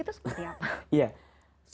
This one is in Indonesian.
itu seperti apa